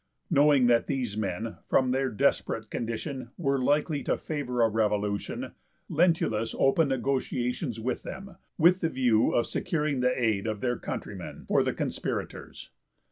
Knowing that these men, from their desperate condition, were likely to favour a revolution, Lentulus opened negotiations with them, with a view to securing the aid of their countrymen for the conspirators.